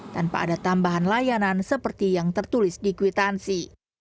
tanpa ada tambahan layanan seperti yang tertulis di kwitansi